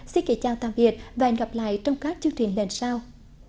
xin kể chào tạm biệt và hẹn gặp lại trong các chương trình lần sau